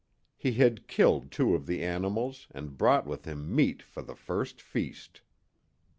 He had killed two of the animals and brought with him meat for the first feast.